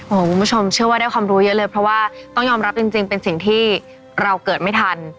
คุณผู้ชมเชื่อว่าได้ความรู้เยอะเลยเพราะว่าต้องยอมรับจริงเป็นสิ่งที่เราเกิดไม่ทัน